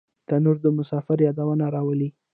تنور د مسافر یادونه راولي